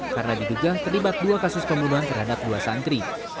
karena diduga terlibat dua kasus pembunuhan terhadap dua santri